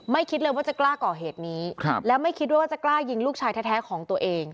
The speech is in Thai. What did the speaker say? คิดเลยว่าจะกล้าก่อเหตุนี้และไม่คิดว่าจะกล้ายิงลูกชายแท้ของตัวเอง